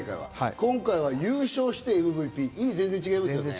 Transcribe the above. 今回は優勝してＭＶＰ、全然違いますね。